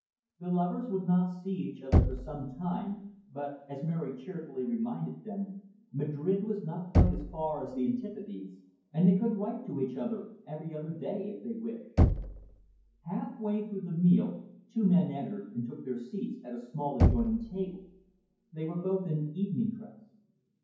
The lovers would not see each other for some time, but, as Mary cheerfully reminded them, Madrid was not quite as far as the Antipodes, and they could write to each other every day, if they wished. Half way through the meal, two men entered and took their seats at a small adjoining table; they were both in evening dress.